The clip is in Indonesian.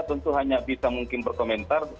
tentu hanya bisa mungkin berkomentar